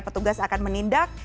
petugas akan menindak